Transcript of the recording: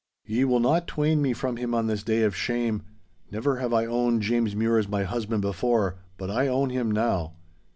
Ye will not twain me from him on this day of shame. Never have I owned James Mure as my husband before, but I own him now.